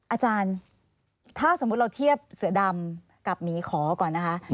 อาจารย์ถ้าสมมุติเราเทียบเสือดำกับหมีขอก่อนนะคะ